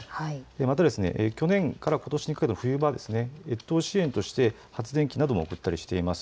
また去年からことしにかけての冬場、越冬支援として発電機なども送っています。